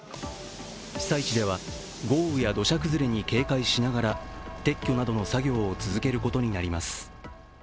被災地では豪雨や土砂崩れに警戒しながら撤去などの作業を続けることになります。